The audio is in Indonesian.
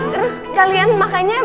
terus kalian makanya